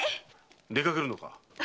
出かけるのか？